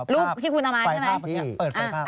รูปที่คุณเอามาใช่ไหม